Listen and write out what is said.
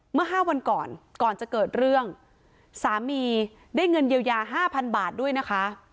เมื่อห้าวันก่อนก่อนจะเกิดเรื่องสามีได้เงินเยียวยาห้าพันบาทด้วยนะคะ